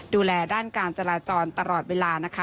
ดูแลด้านการจราจรตลอดเวลานะคะ